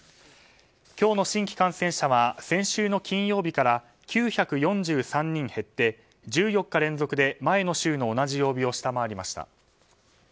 今日の新規感染者は先週の金曜日から９４３人減って、１４日連続で前の週の同じ曜日を下回りました。